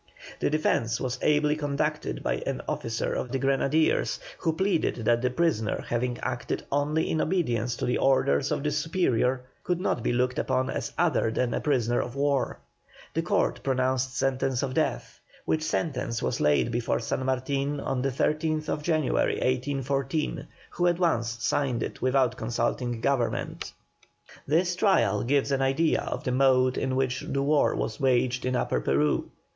The defence was ably conducted by an officer of the Grenadiers, who pleaded that the prisoner having acted only in obedience to the orders of his superior could not be looked upon as other than a prisoner of war. The Court pronounced sentence of death, which sentence was laid before San Martin on the 13th January, 1814, who at once signed it without consulting Government. This trial gives an idea of the mode in which war was waged in Upper Peru.